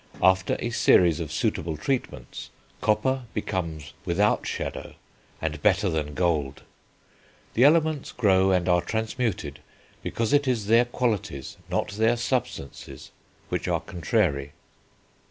After a series of suitable treatments copper becomes without shadow and better than gold.... The elements grow and are transmuted, because it is their qualities, not their substances which are contrary."